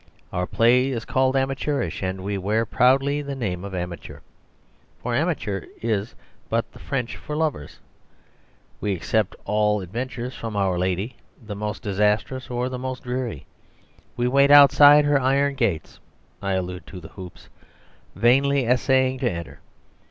Our play is called amateurish; and we wear proudly the name of amateur, for amateurs is but the French for Lovers. We accept all adventures from our Lady, the most disastrous or the most dreary. We wait outside her iron gates (I allude to the hoops), vainly essaying to enter.